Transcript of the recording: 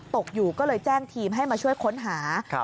ตกอยู่ก็เลยแจ้งทีมให้มาช่วยค้นหา